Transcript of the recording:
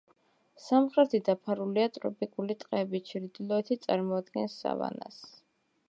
სამხრეთი დაფარულია ტროპიკული ტყეებით, ჩრდილოეთი წარმოადგენს სავანას.